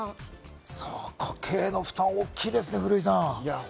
家計への負担、大きいですね、古井さん。